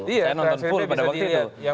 iya saya nonton full pada waktu itu